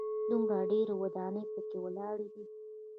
دومره ډېرې ودانۍ په کې ولاړې دي.